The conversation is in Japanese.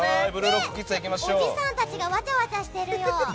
おじさんたちがわちゃわちゃしてるよ。